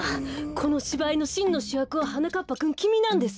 このしばいのしんのしゅやくははなかっぱくんきみなんです。